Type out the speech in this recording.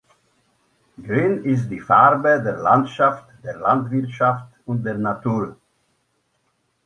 Grün ist die Farbe der Landschaft, der Landwirtschaft und der Natur.